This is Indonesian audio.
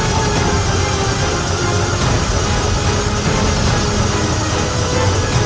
tapi aku kelahan jejak